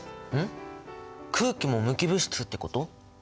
空気も無機物質ってこと？